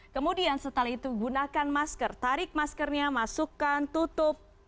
kemudian setelah itu gunakan masker tarik maskernya masukkan tutup